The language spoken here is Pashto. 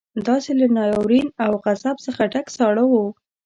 داسې له ناورين او غضب څخه ډک ساړه وو.